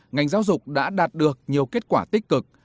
ngành giáo dục đã đạt được nhiều kết quả tích cực